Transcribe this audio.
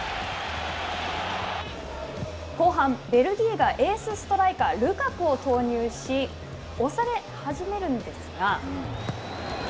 後半、ベルギーがエースストライカールカクを投入し、押され始めるんですが。